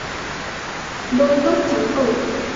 Đôi mắt trắng ởn